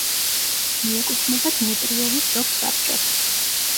მიეკუთვნება დმიტრიევის სოფსაბჭოს.